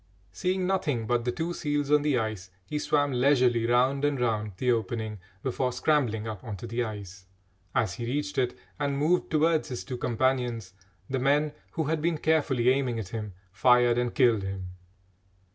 Seeing nothing but the two seals on the ice, he swam leisurely round and round the opening before scrambling up on to the ice. As he reached it and moved towards his two companions, the men, who had been carefully aiming at him, fired and killed him.